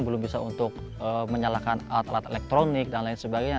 belum bisa untuk menyalakan alat alat elektronik dan lain sebagainya